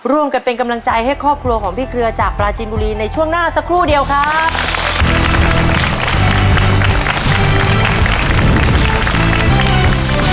ร่วมกันเป็นกำลังใจให้ครอบครัวของพี่เครือจากปลาจีนบุรีในช่วงหน้าสักครู่เดียวครับ